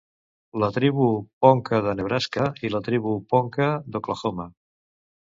La tribu Ponca de Nebraska i la tribu Ponca d'Oklahoma.